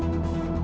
aku mau ke rumah